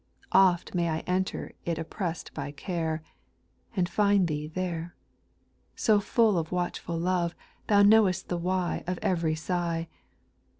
Oft may I enter it oppressed by care, And find Thee there ; So full of watchful love, Thou know'st the why Of ev'ry sigh.